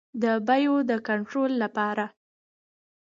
د بیو د کنټرول لپاره.